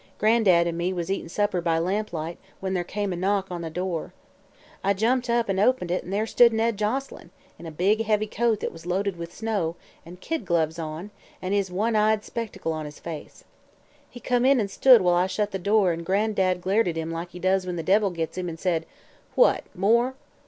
Gran'dad an' me was eat'n' supper by lamplight when there come a knock at the door. I jumped up an' opened it an' there stood Ned Joselyn, in a big heavy coat that was loaded with snow, an' kid gloves on, an' his one eyed spectacle on his face. He come in an' stood while I shut the door, an' Gran'dad glared at him like he does when the devils gits him, and said: 'What more?'